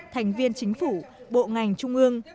thành viên chính phủ bộ ngành trung ương